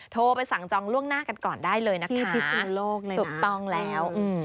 ต้องแล้ว